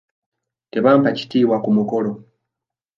Tebampa kitiibwa ku mukolo.